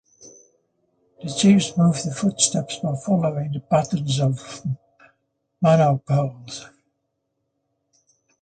The chiefs move the footsteps by following the patterns of Manaw poles.